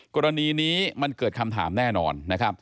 กรณีนี้มันเกิดคำถามแน่นอน